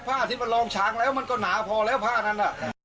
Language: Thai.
ผ้าที่มันลองช้างแล้วมันก็หนาพอแล้วผ้านั้น